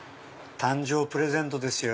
誕生プレゼントですよ。